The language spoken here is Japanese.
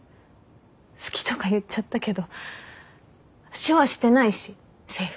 好きとか言っちゃったけど手話してないしセーフ。